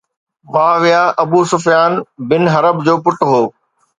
معاويه Abu Sufyan bin Harb جو پٽ هو